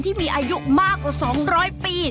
ที่มีอายุมากกว่า๒๐๐ปี